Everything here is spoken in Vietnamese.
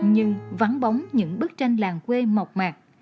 như vắng bóng những bức tranh làng quê mộc mạc